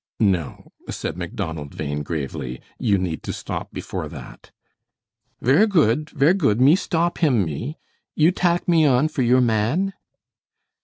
"No," said Macdonald Bhain, gravely, "you need to stop before that." "Ver' good. Ver' good me stop him me. You tak' me on for your man?"